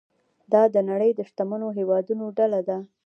دا د نړۍ د شتمنو هیوادونو ډله ده.